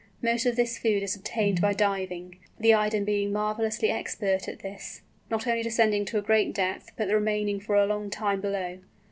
Most of this food is obtained by diving, the Eider being marvellously expert at this, not only descending to a great depth, but remaining for a long time below.